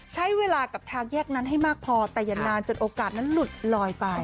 ใช้เวลากับทางแยกนั้นให้มากพอแต่อย่านานจนโอกาสนั้นหลุดลอยไป